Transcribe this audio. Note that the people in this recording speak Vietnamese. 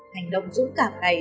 hành động dũng cảm này